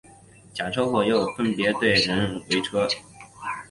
假车祸又可以分为车对车或人对车。